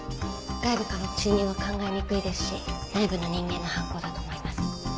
外部からの侵入は考えにくいですし内部の人間の犯行だと思います。